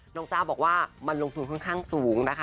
เจ้าบอกว่ามันลงทุนค่อนข้างสูงนะคะ